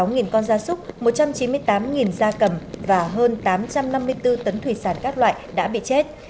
ba mươi sáu nghìn con da súc một trăm chín mươi tám nghìn da cầm và hơn tám trăm năm mươi bốn tấn thủy sản các loại đã bị chết